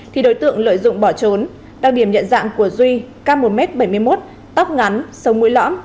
thì đối tượng lợi dụng bỏ trốn đặc điểm nhận dạng của duy ca một m bảy mươi một tóc ngắn sống mũi lõm